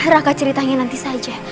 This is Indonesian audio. raka ceritanya nanti saja